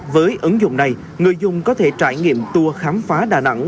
với ứng dụng này người dùng có thể trải nghiệm tour khám phá đà nẵng